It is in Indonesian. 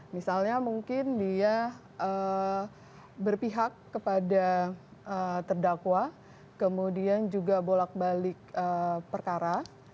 misalnya mungkin dia berpihak kepada terdakwa kemudian juga bolak balik perkara